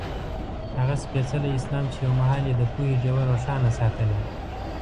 هغه سپېڅلی اسلام چې یو مهال یې د پوهې ډېوه روښانه ساتله.